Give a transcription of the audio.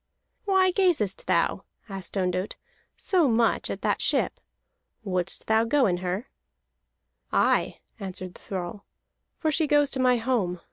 "Why gazest thou," asked Ondott, "so much at the ship? Wouldst thou go in her?" "Aye," answered the thrall, "for she goes to my home.